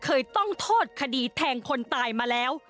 เคยต้องโทษคดีแทงคนตายมาแล้ว